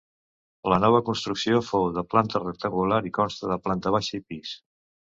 La nova construcció fou de planta rectangular i consta de planta baixa i pis.